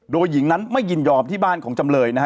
โดยหญิงนั้นไม่ยินยอมที่บ้านของจำเลยนะฮะ